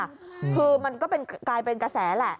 คือมันก็กลายเป็นกระแสแหละ